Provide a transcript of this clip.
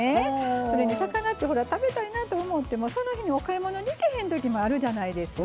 それに魚って食べたいなって思ったときその日にお買い物に行けない日もあるじゃないですか。